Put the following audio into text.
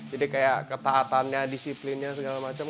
jadi kayak ketatannya disiplinnya segala macem